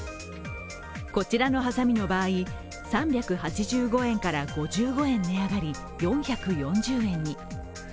こちらのはさみの場合３８５円から５５円値上がり、４４０円に。